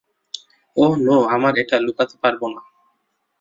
ওহ, no, আমরা এটা লুকাতে পারবোনা।